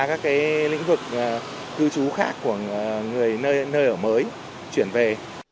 các lĩnh vực cư trú khác của người nơi ở mới chuyển về